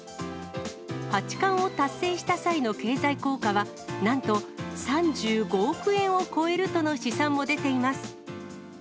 八冠を達成した際の経済効果はなんと３５億円を超えるとの試算も出ています。